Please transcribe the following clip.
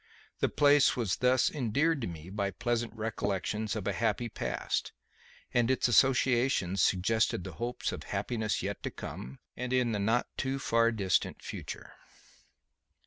The place was thus endeared to me by pleasant recollections of a happy past, and its associations suggested hopes of happiness yet to come and in the not too far distant future.